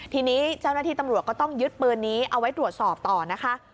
ทีนี้เจ้าหน้าที่ตำรวจก็ต้องยึดปืนนี้เอาไว้ตรวจสอบต่อนะคะ